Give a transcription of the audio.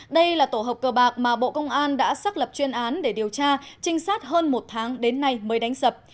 đây là tổ hợp cờ bạc mà bộ công an đã xác lập chuyên án để điều tra trinh sát hơn một tháng đến nay mới đánh sập